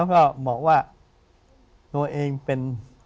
ตัวเองเป็น